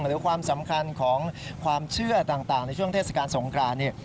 หรือความสำคัญของความเชื่อต่างในช่วงเทศกาลสงคราน